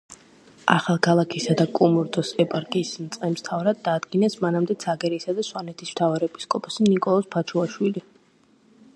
ახალქალაქისა და კუმურდოს ეპარქიის მწყემსმთავრად დაადგინეს მანამდე ცაგერისა და სვანეთის მთავარეპისკოპოსი ნიკოლოზ ფაჩუაშვილი.